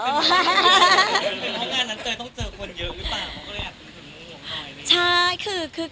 เหมือนกับงานนั้นต้องเจอคนเยอะหรือเปล่า